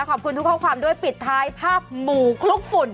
ขอบคุณทุกข้อความด้วยปิดท้ายภาพหมูคลุกฝุ่น